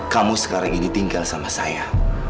kamu sekarang ini tinggal sama saya